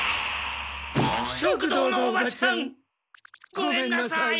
ごめんなさい！